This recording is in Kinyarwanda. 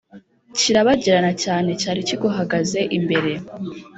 kirabagirana cyane Cyari kiguhagaze imbere